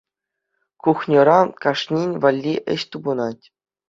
Кухньӑра кашнин валли ӗҫ тупӑнать.